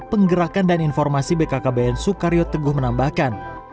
penggerakan dan informasi bkkbn sukaryo teguh menambahkan